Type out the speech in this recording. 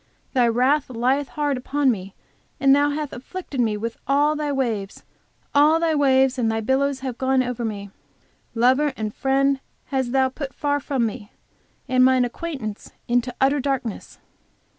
Thy wrath lieth hard upon me and thou hast afflicted me with all thy waves. All thy waves and thy billows have gone over me. Lover and friend hast thou put far from me, and mine acquaintance into utter darkness."